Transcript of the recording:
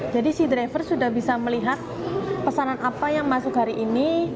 si driver sudah bisa melihat pesanan apa yang masuk hari ini